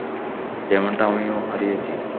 যেমনটা আমিও হারিয়েছি।